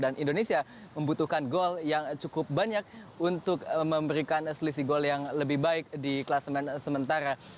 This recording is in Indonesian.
dan indonesia membutuhkan gol yang cukup banyak untuk memberikan selisih gol yang lebih baik di kelas men sementara